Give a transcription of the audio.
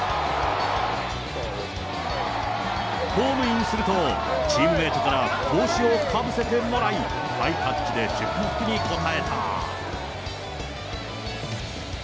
ホームインすると、チームメートから帽子をかぶせてもらい、ハイタッチで祝福に応えた。